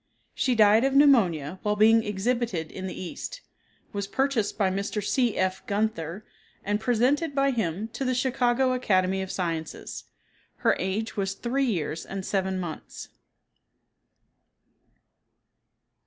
She died of pneumonia while being exhibited in the East, was purchased by Mr. C. F. Gunther and presented by him to the Chicago Academy of Sciences. Her age was three years and seven months.